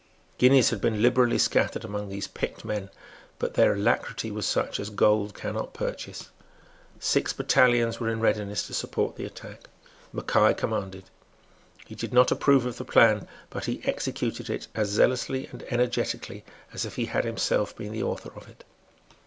Guineas had been liberally scattered among these picked men; but their alacrity was such as gold cannot purchase. Six battalions were in readiness to support the attack. Mackay commanded. He did not approve of the plan; but he executed it as zealously and energetically as if he had himself been the author of it.